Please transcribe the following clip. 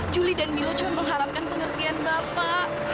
julie dan milo cuma mengharapkan pengertian bapak